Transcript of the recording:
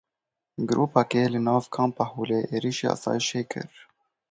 Grûpekê li nav kampa Holê êrişî asayişê kir.